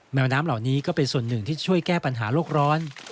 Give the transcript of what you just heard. แมวน้ำเหล่านี้ก็เป็นส่วนหนึ่งที่ช่วยแก้ปัญหาโลกร้อน